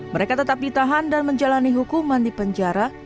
mereka tetap ditahan dan menjalani hukuman di penjara